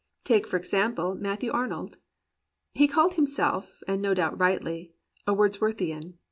Take for example Matthew Arnold. He called himself, and no doubt rightly, a Wordsworthian.